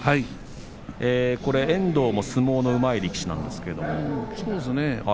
遠藤も相撲のうまい力士ですけども。